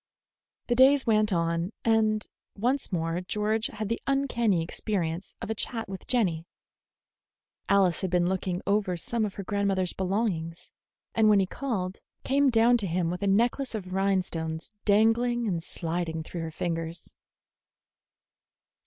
The days went on, and once more George had the uncanny experience of a chat with Jenny. Alice had been looking over some of her grandmother's belongings, and when he called, came down to him with a necklace of rhinestones dangling and sliding through her fingers.